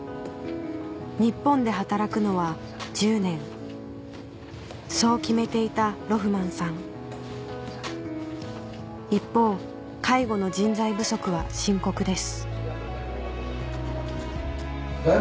日本で働くのは１０年そう決めていたロフマンさん一方介護の人材不足は深刻です